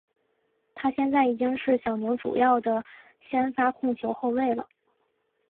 他现在已经是小牛主要的先发控球后卫了。